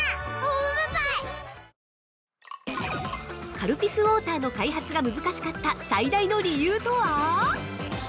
◆カルピスウォーターの開発が難しかった、最大の理由とは。